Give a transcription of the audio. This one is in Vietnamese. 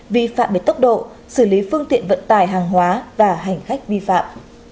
vi phạm về tốc độ xử lý phương tiện vận tải hàng hóa và hành khách vi phạm